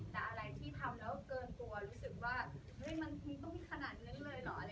แต่อะไรที่ทำแล้วเกินตัวรู้สึกว่าเฮ้ยมันคงต้องมีขนาดนั้นเลยเหรอ